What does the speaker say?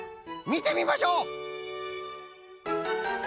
みてみましょう！